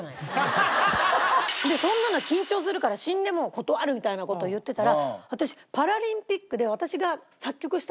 そんなの緊張するから死んでも断るみたいな事を言ってたら。